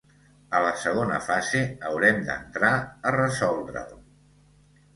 A la segona fase haurem d’entrar a resoldre’l.